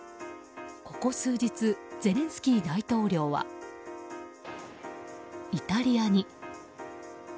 ここ数日ゼレンスキー大統領はイタリアに。